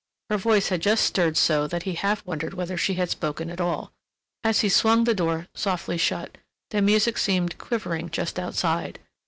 Her voice had just stirred so that he half wondered whether she had spoken at all. As he swung the door softly shut, the music seemed quivering just outside.